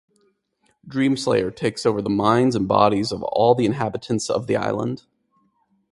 Dreamslayer takes over the minds and bodies of all the inhabitants of the island.